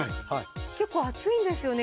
結構厚いんですよね